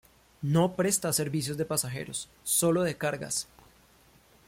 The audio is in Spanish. No presta servicios de pasajeros, sólo de cargas.